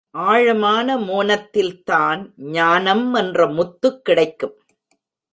ஆழமான மோனத்தில்தான் ஞானம் என்ற முத்து கிடைக்கும்.